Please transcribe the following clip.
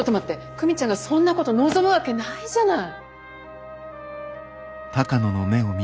久美ちゃんがそんなこと望むわけないじゃない！